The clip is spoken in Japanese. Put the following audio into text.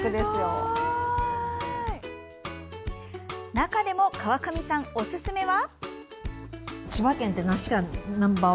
中でも川上さんおすすめは？